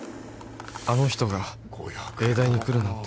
あの人が永大に来るなんて